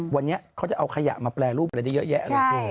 วันนี้เขาจะเอาขยะมาแปรรูปอะไรได้เยอะแยะเลย